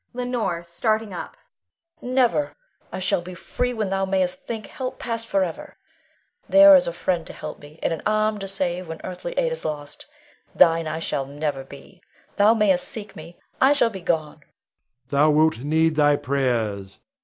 Leonore [starting up]. Never! I shall be free when thou mayst think help past forever. There is a friend to help me, and an arm to save, when earthly aid is lost. Thine I shall never be! Thou mayst seek me; I shall be gone. Rod. Thou wilt need thy prayers.